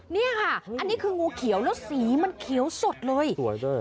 เนี่ยค่ะอันนี้คืองูเขียวแล้วสีมันเขียวสดเลยสวยด้วย